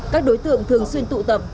các đối tượng thường xuyên tụ tập